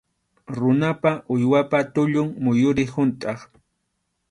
Runapa, uywapa tullun muyuriq huntʼaq.